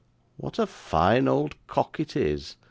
'What a fine old cock it is!